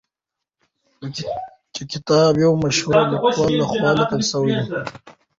هغه کتاب د یو مشهور لیکوال لخوا لیکل سوی دی.